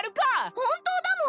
本当だもん！